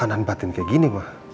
jangan batin kayak gini mah